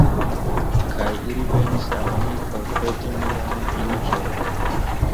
Kaj ili venis al mi por peti mian juĝon.